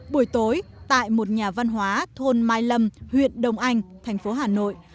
buổi tối tại một nhà văn hóa thôn mai lâm huyện đông anh thành phố hà nội